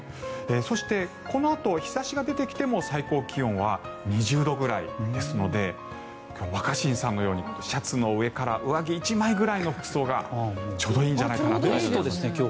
そして、このあと日差しが出てきても最高気温は２０度ぐらいですので若新さんのようにシャツの上から上着１枚ぐらいの服装がちょうどいいんじゃないかと。